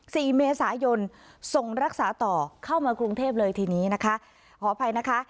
สี่เมษายนส่งรักษาต่อเข้ามากรุงเทพเลยทีนี้นะคะขออภัยนะคะ